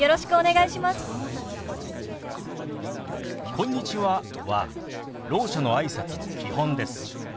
「こんにちは」はろう者のあいさつの基本です。